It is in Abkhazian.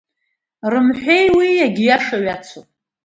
Рымҳәеи, уи иагьиаша ҩацоуп!